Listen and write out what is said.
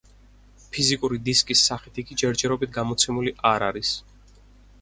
ფიზიკური დისკის სახით იგი ჯერჯერობით გამოცემული არ არის.